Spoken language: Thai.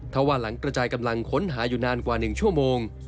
ถ้าว่าหลังกระจายกำลังค้นหาอยู่นานกว่า๑ชั่วโมง